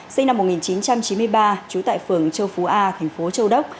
sinh năm một nghìn chín trăm chín mươi ba trú tại phường châu phú a thành phố châu đốc